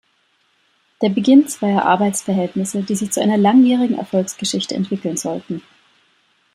Der Beginn zweier Arbeitsverhältnisse, die sich zu einer langjährigen Erfolgsgeschichte entwickeln sollten.